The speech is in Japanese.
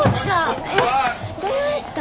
どないしたん？